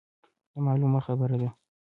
دا مـعـلومـه خـبـره ده.